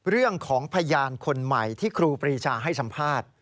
เรื่องของพยานคนใหม่ที่ครูปรีชาให้สัมภาษณ์